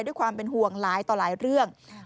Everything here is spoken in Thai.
ด้วยความเป็นห่วงหลายต่อหลายเรื่อง